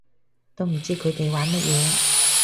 都唔知佢哋玩乜嘢